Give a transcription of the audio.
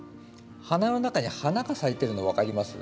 花の中に花が咲いてるの分かります？